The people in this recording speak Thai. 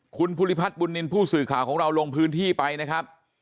คุณภูริพัฒน์บุญนินทร์ผู้สื่อข่าวของเราลงพื้นที่ไปนะครับ